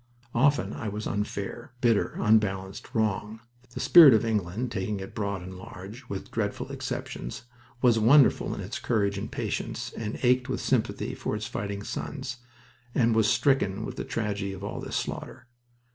Often I was unfair, bitter, unbalanced, wrong. The spirit of England, taking it broad and large with dreadful exceptions was wonderful in its courage and patience, and ached with sympathy for its fighting sons, and was stricken with the tragedy of all this slaughter.